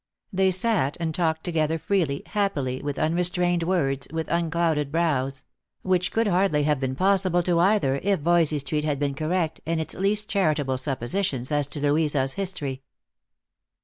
They sat and talked together freely, happily, with unrestrained words, with nnclouded brows; which could hardly have been possible to either if Voysey street had been correct in its least charitable suppositions as to Louisa's history.